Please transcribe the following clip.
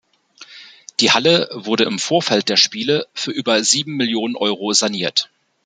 Die Halle wurde im Vorfeld der Spiele für über sieben Millionen Euro saniert.